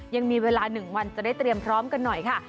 ยังมีเวลา๑วันจะได้เตรียมพร้อมกันหน่อยค่ะ